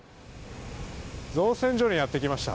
造船所にやってきました。